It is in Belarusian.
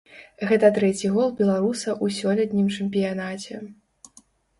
Гэта трэці гол беларуса ў сёлетнім чэмпіянаце.